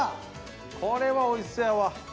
これはおいしそうやわ。